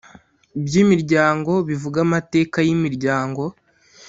by imiryango bivuga amateka y imiryango